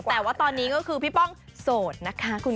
แต่ว่าตอนนี้ก็คือพี่ป้องโสดนะคะ